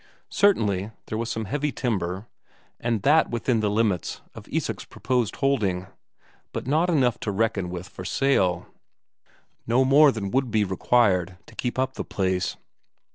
Certainly, there was some heavy timber, and that within the limits of Isak's proposed holding, but not enough to reckon with for sale; no more than would be required to keep up the place.